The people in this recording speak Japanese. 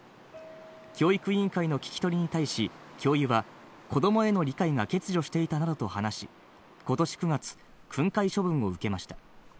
教育委員会の聞き取りに対し、教諭は子供への理解が欠如していたなどと話し、今年９月、訓戒処分を受けました。